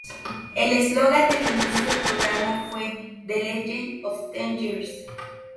El eslogan del inicio del programa fue "The legend of ten years!